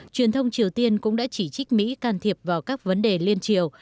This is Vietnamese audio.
truyền thông triều tiên cũng đã chỉ trích mỹ can thiệp vào các vấn đề liên triều